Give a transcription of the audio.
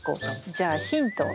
じゃあヒントを。